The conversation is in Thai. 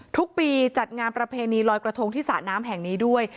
ทุกปีจัดงานประเพณีลอยกระทงที่สระน้ำแห่งนี้ด้วย